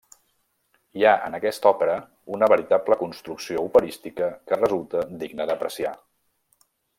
Hi ha en aquesta òpera una veritable construcció operística que resulta digna d'apreciar.